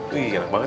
wih enak banget